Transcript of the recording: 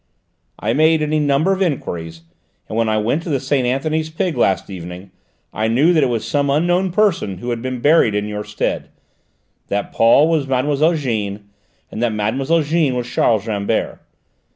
I made any number of enquiries, and when I went to the Saint Anthony's Pig last evening I knew that it was some unknown person who had been buried in your stead; that Paul was Mademoiselle Jeanne; and that Mademoiselle Jeanne was Charles Rambert.